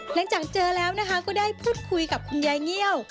หลังจากเจอแล้วนะคะก็ได้พูดคุยกับคุณยายเงี่ยว